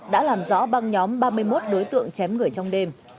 đã làm rõ băng nhóm ba mươi một đối tượng chém người trong đêm